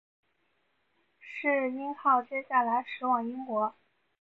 耆英号接下来驶往英国。